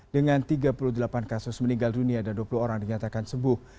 dengan tiga puluh delapan kasus meninggal dunia dan dua puluh orang dinyatakan sembuh